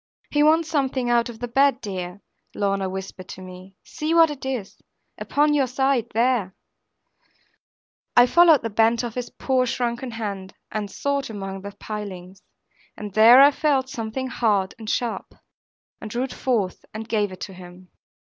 'He wants something out of the bed, dear,' Lorna whispered to me; 'see what it is, upon your side, there.' I followed the bent of his poor shrunken hand, and sought among the pilings; and there I felt something hard and sharp, and drew it forth and gave it to him.